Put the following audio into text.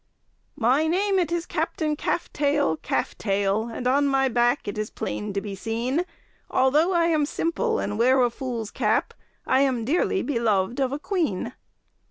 "My name it is Captain Calf tail, Calf tail, And on my back it is plain to be seen; Although I am simple and wear a fool's cap, I am dearly beloved of a queen."